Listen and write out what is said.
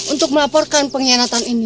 untuk melaporkan pengkhianatan ini